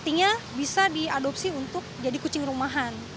artinya bisa diadopsi untuk jadi kucing rumahan